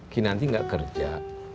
ki nanti gak kerja